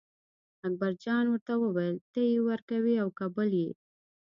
اکبرجان ورته وویل ته یې ورکوې او که بل یې.